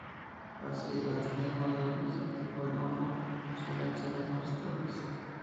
Así, las espinas mas grandes, tipo en hongo, suelen ser las más estables.